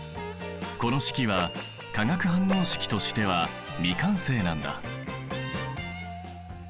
この式は化学反応式としては未完成なんだ。